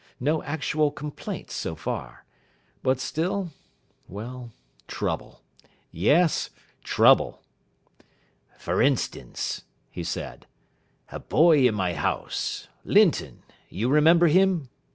No actual complaints so far. But still well, trouble yes, trouble. "For instance," he said, "a boy in my house, Linton you remember him?